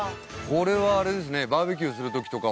これはあれですね。